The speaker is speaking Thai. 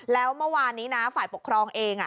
แล้วเมื่อวานนี้นะฝ่ายปกครองเอง